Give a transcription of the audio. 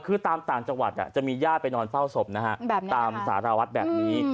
คือตามต่างจังหวัดจะมีญาติไปนอนเฝ้าศพนะฮะตามสารวัฒน์แบบนี้